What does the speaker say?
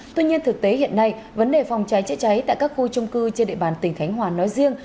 tuy nhiên thực tế hiện nay vấn đề phòng cháy chữa cháy tại các khu trung cư trên địa bàn tỉnh khánh hòa nói riêng